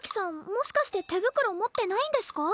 もしかして手袋持ってないんですか？